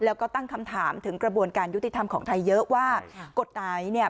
แล้วก็ตั้งคำถามถึงกระบวนการยุติธรรมของไทยเยอะว่ากฎหมายเนี่ย